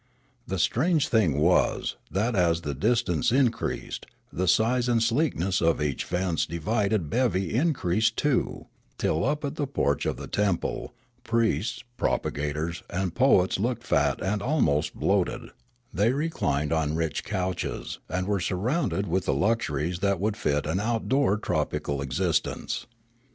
The strange thing was that, as the distance increased, the size and sleekness of each fence divided bevy increased too, till up at the porch of the temple, priests, pro pagators, and poets looked fat and almost bloated ; they reclined on rich couches, and were surrounded with the luxuries that would fit an outdoor tropical Kloriole 275 existence.